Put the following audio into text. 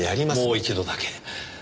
もう一度だけ。